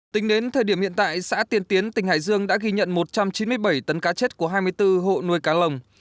tính đến thời điểm hiện tại xã tiền tiến tỉnh hải dương đã ghi nhận một trăm chín mươi bảy tấn cá chết của hai mươi bốn hộ nuôi cá lồng